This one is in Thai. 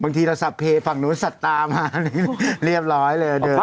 บางทีเราสับเพลย์ฝั่งนู้นสัตว์ตามาเรียบร้อยเลยอ่ะเดิน